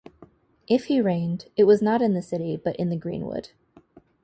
If he reigned, it was not in the city, but in the greenwood.